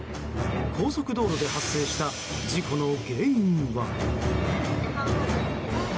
高速道路で発生した事故の原因は。